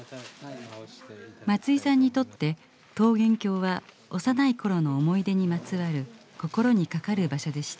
松居さんにとって桃源郷は幼い頃の思い出にまつわる心にかかる場所でした。